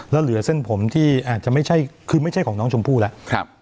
แล้วเหลือเส้นผมที่อาจจะไม่ใช่คือไม่ใช่ของน้องชมพู่แล้ว